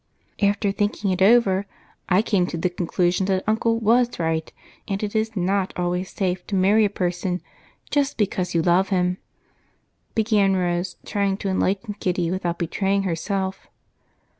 "After thinking it over, I came to the conclusion that Uncle was right, and it is not always safe to marry a person just because you love him," began Rose, trying to enlighten Kitty without betraying herself.